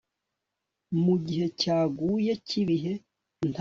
Mugihe cyaguye cyibihe ntago bikunda